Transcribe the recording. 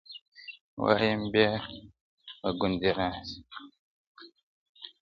وایم بیا به ګوندي راسي!!